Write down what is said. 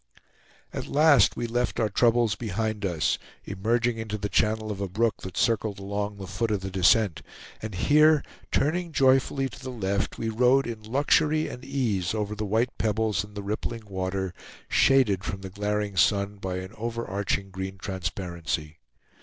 At last we left our troubles behind us, emerging into the channel of a brook that circled along the foot of the descent; and here, turning joyfully to the left, we rode in luxury and ease over the white pebbles and the rippling water, shaded from the glaring sun by an overarching green transparency.